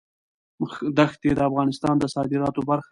ښتې د افغانستان د صادراتو برخه ده.